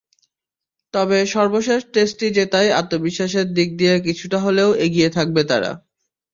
তবে সর্বশেষ টেস্টটি জেতায় আত্মবিশ্বাসের দিক দিয়ে কিছুটা হলেও এগিয়ে থাকবে তারা।